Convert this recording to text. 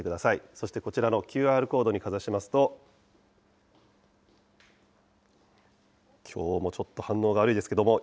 そしてこちらのＱＲコードにかざしますと、きょうもちょっと反応が悪いですけれども、